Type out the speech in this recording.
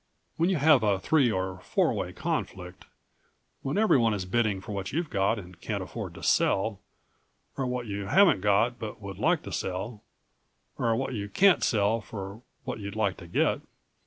When you have a three or four way conflict, when everyone is bidding for what you've got and can't afford to sell, or what you haven't got but would like to sell, or what you can't sell for what you'd like to get?"